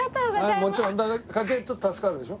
もちろん家計ちょっと助かるでしょ？